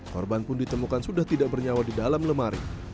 korban pun ditemukan sudah tidak bernyawa di dalam lemari